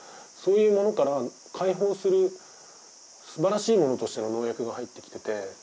そういうものから解放するすばらしいものとしての農薬が入ってきてて。